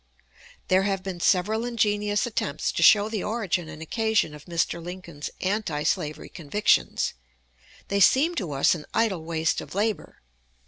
There have been several ingenious attempts to show the origin and occasion of Mr. Lincoln's antislavery convictions. They seem to us an idle waste of labor.